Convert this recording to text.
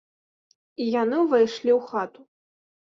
І яны ўвайшлі ў хату.